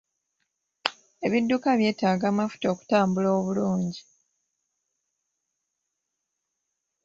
Ebidduka byetaaga amafuta okutambula obulungi.